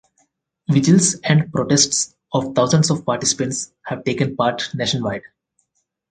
Vigils and protests of thousands of participants have taken part nationwide.